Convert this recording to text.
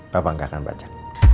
papa gak akan baca